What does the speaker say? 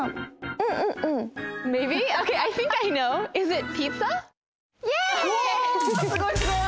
うおすごいすごい！